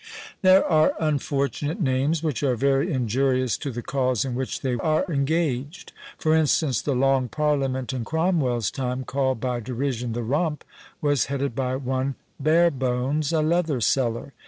There are unfortunate names, which are very injurious to the cause in which they are engaged; for instance, the Long Parliament in Cromwell's time, called by derision the Rump, was headed by one Barebones, a leather seller.